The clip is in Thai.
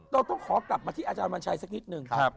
เราต้องขอกลับมาที่อาจารย์วันชัยสักนิดนึง